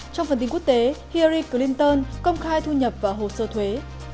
trong phần tin quốc tế hillary clinton công khai thu nhập vào hồ sơ thuế